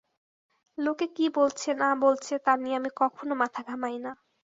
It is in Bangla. লোকে কি বলছে না-বলছে, তা নিয়ে আমি কখনো মাথা ঘামাই না।